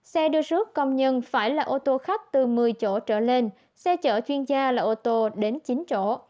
xe đưa rước công nhân phải là ô tô khách từ một mươi chỗ trở lên xe chở chuyên gia là ô tô đến chín chỗ